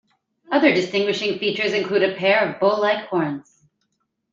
Other distinguishing features include a pair of bull-like horns.